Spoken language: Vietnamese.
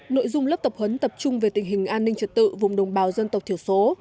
nội dung lớp tập huấn tập trung về tình hình an ninh trật tự vùng đồng bào dân tộc thiểu số